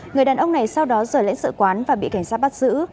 người đàn ông này sau đó rời lãnh sự quán và bị cảnh sát bắt giữ